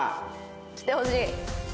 来てほしい。